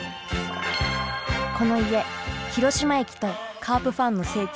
この家広島駅とカープファンの聖地